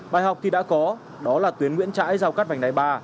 bài học thì đã có đó là tuyến nguyễn trãi giao cắt vành đai ba